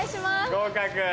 合格。